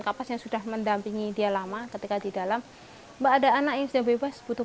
kapas yang sudah mendampingi dia lama ketika di dalam mbak ada anak yang sudah bebas butuh